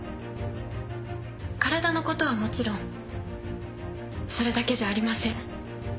体のことはもちろんそれだけじゃありません。